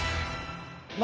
ま